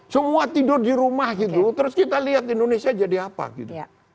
semua tidur di rumah gitu terus kita lihat indonesia jadi apa gitu